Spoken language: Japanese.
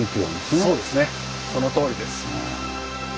そうですねそのとおりです。